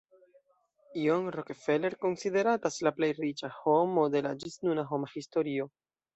John Rockefeller konsideratas la plej riĉa homo de la ĝisnuna homa historio.